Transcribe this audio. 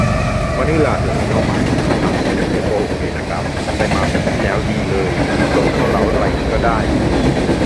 มะนิลาเทอร์มินอลใหม่ ถ้าทรานสิตอย่างเดียวก็โอเคนะครับ ไปมาปีที่แล้ว ดีเลย หลบเข้าเลาจน์ไรงี้ก็ได้